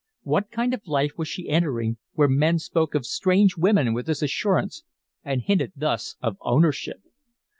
What kind of life was she entering where men spoke of strange women with this assurance and hinted thus of ownership?